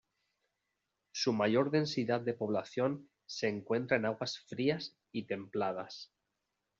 Su mayor densidad de población se encuentra en aguas frías y templadas.